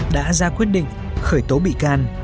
đã ra quyết định khởi tố bị can